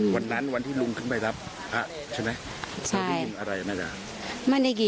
วันนั้นวันที่ลุงขึ้นไปรับใช่ไหม